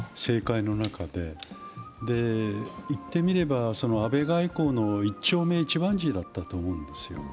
言ってみれば安倍外交の一丁目一番地だったと思うんですよ。